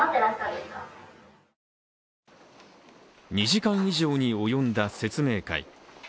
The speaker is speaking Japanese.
２時間以上に及んだ説明会。